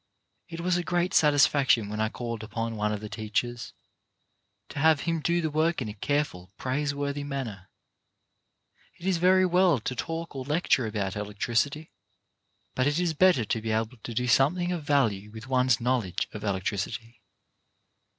It was a great satisfaction when I called upon one of the teachers, to have him do the work m a careful, praiseworthy manner. It is very well to talk or lecture about electricity, but it is better to be able to do something of value with one's knowledge of electricity.